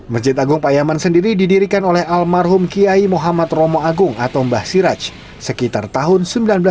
masjid agung payaman sendiri didirikan oleh almarhum kiai muhammad romo agung atau mbah siraj sekitar tahun seribu sembilan ratus enam puluh